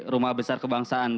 rumah besar kebangsaan